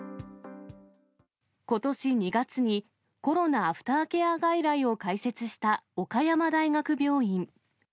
ことし２月にコロナ・アフターケア外来を開設した岡山大学病院。